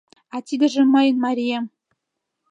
А тидыже мыйын марием.